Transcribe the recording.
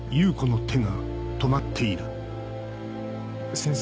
先生？